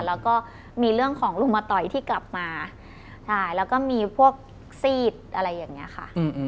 แล้วก็มีเรื่องของลุงมตอยที่กลับมาใช่แล้วก็มีพวกซีดอะไรอย่างนี้ค่ะ